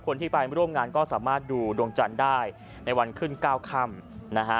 คนที่ไปร่วมงานก็สามารถดูดวงจันทร์ได้ในวันขึ้น๙ค่ำนะฮะ